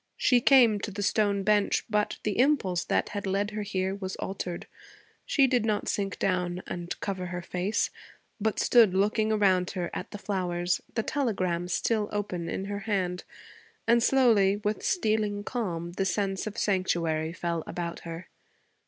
She came to the stone bench; but the impulse that had led her here was altered. She did not sink down and cover her face, but stood looking around her at the flowers, the telegram still open in her hand; and slowly, with stealing calm, the sense of sanctuary fell about her.